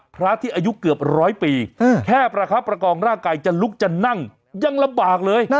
พระที่อายุเกือบร้อยปีแค่ประคับประกองร่างกายจะลุกจะนั่งยังลำบากเลย